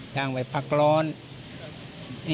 ไปปลักร้อน